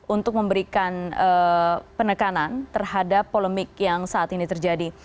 untuk memberikan penekanan terhadap polemik yang saat ini terjadi